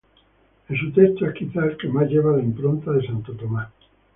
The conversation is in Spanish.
En su texto, es quizás el que más lleva la impronta de santo Tomás.